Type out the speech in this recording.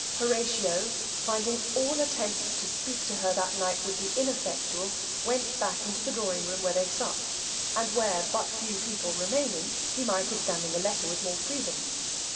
Horatio finding all attempts to speak to her that night would be ineffectual, went back into the drawing room where they supped, and where but few people remaining he might examine the letter with more freedom.